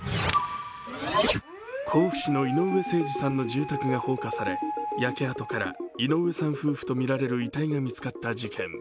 甲府市の井上盛司さんの住宅が放火され焼け跡から井上さん夫婦とみられる遺体が見つかった事件。